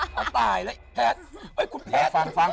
ตายเลยแพทย์